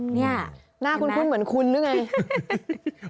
หน้าคุ้นเหมือนคุณรึไง